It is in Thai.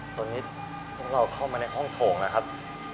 ตอนนี้พวกเราเข้ามาในห้องโถงนะครับ